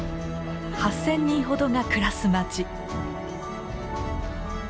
８，０００人ほどが暮らす町。